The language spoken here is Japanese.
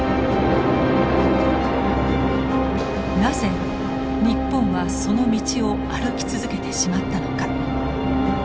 なぜ日本はその道を歩き続けてしまったのか。